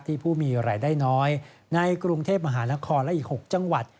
ผู้มีรายได้น้อยในกรุงเทพมหานครและอีก๖จังหวัด